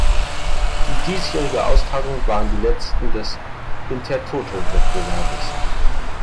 Die diesjährigen Austragungen waren die letzten des Intertoto-Wettbewerbes.